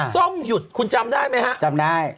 ซ่อมหยุดคุณจำได้ไหมฮะ